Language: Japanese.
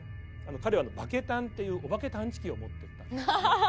彼はばけたんっていうおばけ探知機を持っていったんですけども。